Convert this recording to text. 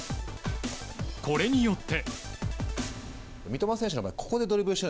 これによって。